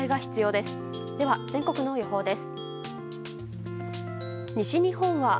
では、全国の予報です。